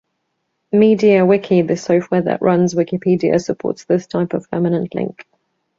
MediaWiki, the software that runs Wikipedia, supports this type of permanent link.